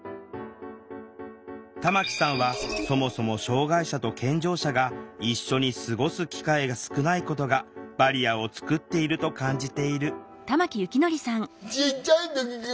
玉木さんはそもそも障害者と健常者が一緒に過ごす機会が少ないことがバリアを作っていると感じている